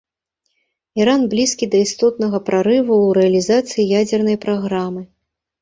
Іран блізкі да істотнага прарыву ў рэалізацыі ядзернай праграмы.